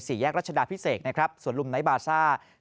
สี่แยกรัชดาพิเศกนะครับสวดลุมไนบาซา